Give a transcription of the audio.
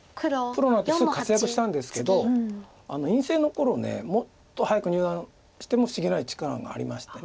プロになってすぐ活躍したんですけど院生の頃もっと早く入段しても不思議ない力がありまして。